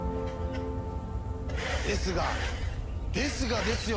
ですがですがですよ